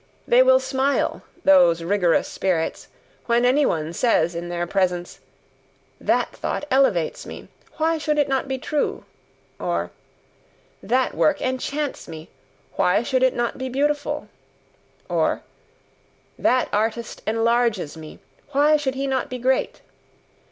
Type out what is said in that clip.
They will smile, those rigorous spirits, when any one says in their presence "That thought elevates me, why should it not be true?" or "That work enchants me, why should it not be beautiful?" or "That artist enlarges me, why should he not be great?"